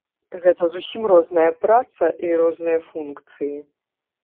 Гэта зусім розная праца і розныя функцыі.